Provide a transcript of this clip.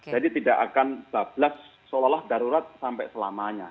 jadi tidak akan bablas seolah olah darurat sampai selamanya